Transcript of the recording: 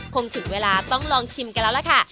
คงถึงเวลาต้องลองชิมกันแล้วล่ะค่ะ